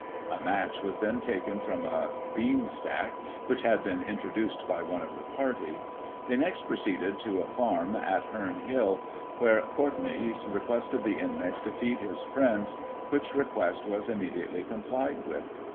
A match was then taken from a bean stack, which had been introduced by one of the party. They next proceeded to a farm at Heme Hill, where Cour tenay requested the inmates to feed his friends, which request was immediately complied with.